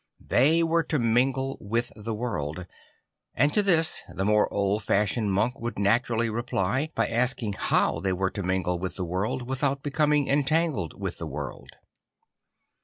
They were to mingle with the world; and to this the more old fashioned monk would naturally reply by asking how they \vere to mingle with the world without becoming entangled with the world.